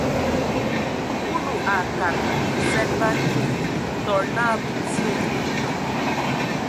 Kulu a kadag e zen ba akii, tɔ ana bə tie, bə kə.